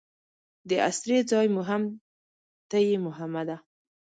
د اسرې ځای مو هم ته یې محمده.